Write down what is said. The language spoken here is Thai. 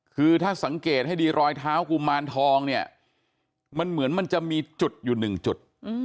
คือถ้าสังเกตให้ดีรอยเท้ากุมารทองเนี่ยมันเหมือนมันจะมีจุดอยู่หนึ่งจุด